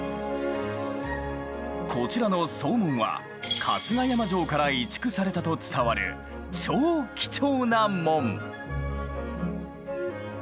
こちらの惣門は春日山城から移築されたと伝わる超貴重な門！